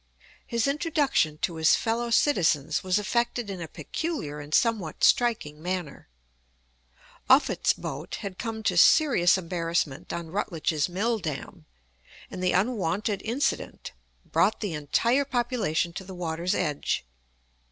His introduction to his fellow citizens was effected in a peculiar and somewhat striking manner. Offutt's boat had come to serious embarrassment on Rutledge's mill dam, and the unwonted incident brought the entire population to the water's edge.